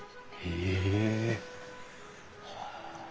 へえ。